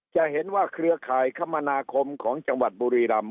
จะเห็นว่าเครือข่ายคมนาคมของจังหวัดบุรีรำ